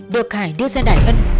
được hải đưa ra đại ân